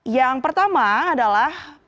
yang pertama adalah